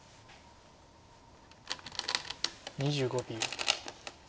２５秒。